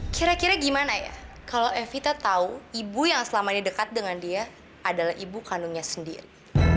kira kira gimana ya kalau evita tahu ibu yang selama ini dekat dengan dia adalah ibu kandungnya sendiri